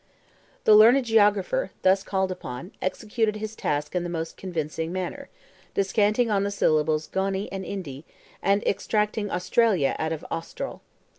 The learned geographer, thus called upon, executed his task in the most convincing manner, descanting on the syllables GONIE and INDI, and extracting AUSTRALIA out of AUSTRAL.